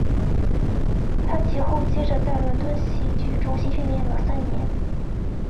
他其后接着在伦敦戏剧中心训练了三年。